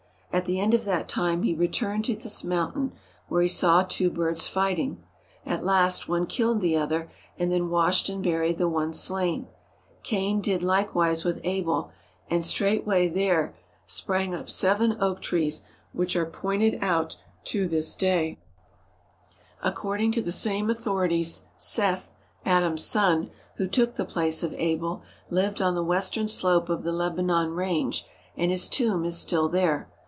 At the end of that time he returned to this mountain, where he saw two birds fighting. At last one killed the other and then washed and buried the one slain. Cain did like wise with Abel, and straightway there sprang up seven oak trees, which are pointed out to this day. 246 ACROSS THE LEBANON MOUNTAINS According to the same authorities, Seth, Adam's son, who took the place of Abel, lived on the western slope of the Lebanon range, and his tomb is still there.